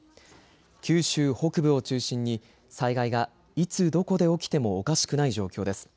九州北部を中心に災害がいつ、どこで起きてもおかしくない状況です。